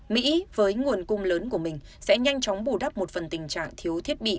mỹ với nguồn cung lớn của mình sẽ nhanh chóng bù đắp một phần tình trạng thiếu thiết bị